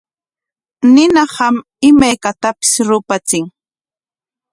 Ninaqam imaykatapis rupachin.